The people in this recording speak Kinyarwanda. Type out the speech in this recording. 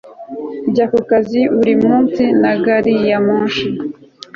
njya ku kazi buri munsi na gari ya moshi